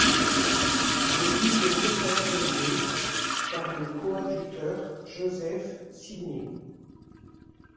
L'église est consacrée le par le coadjuteur Joseph Signay.